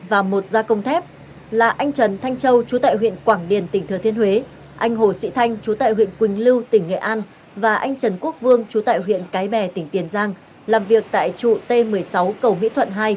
và một gia công thép là anh trần thanh châu chú tại huyện quảng điền tỉnh thừa thiên huế anh hồ sĩ thanh chú tại huyện quỳnh lưu tỉnh nghệ an và anh trần quốc vương chú tại huyện cái bè tỉnh tiền giang làm việc tại trụ t một mươi sáu cầu mỹ thuận hai